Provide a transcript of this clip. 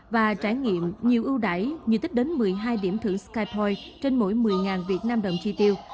và trải nghiệm nhiều ưu đại như tích đến một mươi hai điểm thưởng skypoint trên mỗi một mươi vnđ chi tiêu